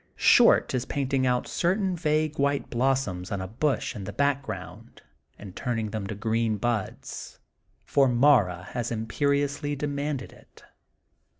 Short is painting out certain rague white blossoms on a bush in the back ground and turning them to green buds, for Mara has imperiously demanded it.